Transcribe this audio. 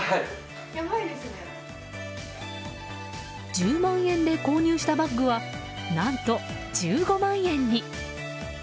１０万円で購入したバッグは何と１５万円に。